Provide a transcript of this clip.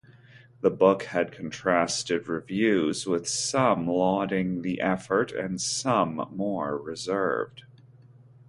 The book had contrasted reviews, with some lauding the effort, and some more reserved.